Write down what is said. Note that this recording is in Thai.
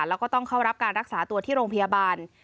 แล้วก็ต้องเข้ารับการรักษาตัวที่โรงพยาบาล